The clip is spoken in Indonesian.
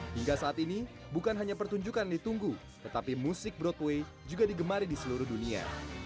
hingga saat ini bukan hanya pertunjukan ditunggu tetapi musik broadway juga digemari di seluruh dunia